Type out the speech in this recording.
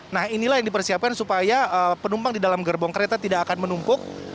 nah inilah yang dipersiapkan supaya penumpang di dalam gerbong kereta tidak akan menumpuk